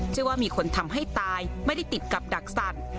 ชื่อว่ามีคนทำให้ตายไม่ได้ติดกับดักสัตว์